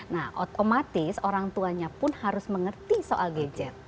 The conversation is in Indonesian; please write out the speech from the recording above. nah otomatis orang tuanya pun harus mengerti soal gadget